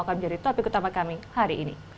akan menjadi topik utama kami hari ini